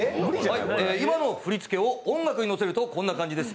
今の振り付けを音楽に乗せるとこんな感じです。